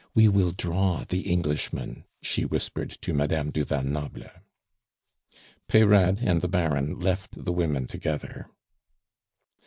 We will draw the Englishman," she whispered to Madame du Val Noble. Peyrade and the Baron left the women together.